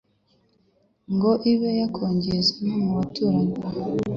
ngo ibe yakongeza no mu baturanyi.